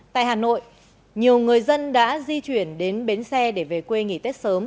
tại hà nội nhiều người dân đã di chuyển đến bến xe để về quê nghỉ tết sớm